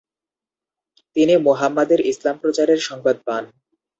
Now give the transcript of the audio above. তিনি মুহাম্মাদের ইসলাম প্রচারের সংবাদ পান।